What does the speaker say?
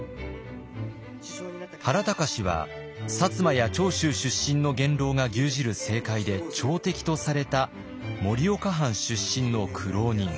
原敬は薩摩や長州出身の元老が牛耳る政界で朝敵とされた盛岡藩出身の苦労人。